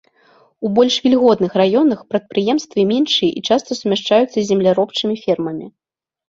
У больш вільготных раёнах прадпрыемствы меншыя і часта сумяшчаюцца з земляробчымі фермамі.